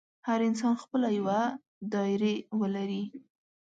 هر انسان خپله یوه ډایري ولري.